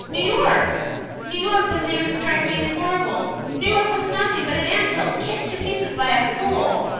New York New York doesn't even strike me as horrible. New York was nothing but an ant hill kicked to pieces by a fool!